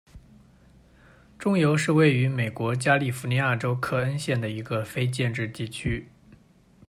中油是位于美国加利福尼亚州克恩县的一个非建制地区。